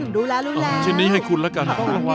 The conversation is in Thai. รู้แล้วรู้แล้วชิ้นนี้ให้คุณละกัน